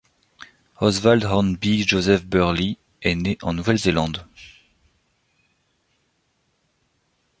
Oswald Hornby Joseph Birley est né en Nouvelle-Zélande.